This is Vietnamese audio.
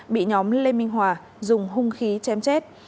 bị nhóm lê minh hòa dùng hung khí chém chết